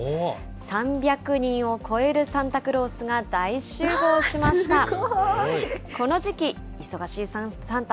３００人を超えるサンタクロースが大集合しました。